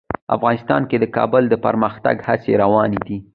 افغانستان کې د کابل د پرمختګ هڅې روانې دي.